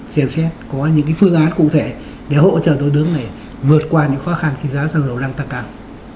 xem xét có những phương án cụ thể để hỗ trợ đối tượng này vượt qua những khó khăn kỳ giá xăng dầu đang tăng càng